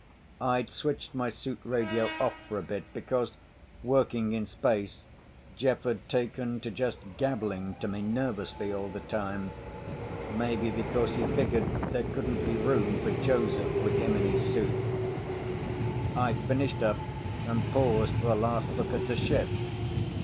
I'd switched my suit radio off for a bit, because, working in space, Jeff had taken to just gabbling to me nervously all the time—maybe because he figured there couldn't be room for Joseph with him in his suit. [Illustration: space walk] I finished up and paused for a last look at the ship.